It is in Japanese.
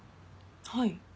はい。